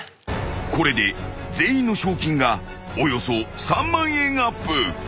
［これで全員の賞金がおよそ３万円アップ］